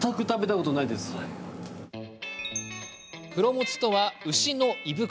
黒モツとは、牛の胃袋。